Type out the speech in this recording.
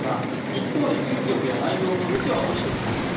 一方で筋力や内臓の動きは落ちてきますと。